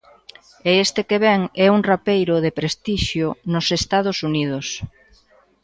E este que ven é un rapeiro de prestixio nos Estados Unidos.